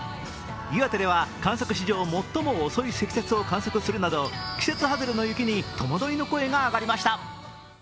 岩手では観測史上最も遅い積雪を観測するなど季節外れの雪に戸惑いの声が上がりました。